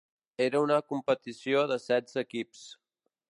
Era una competició de setze equips.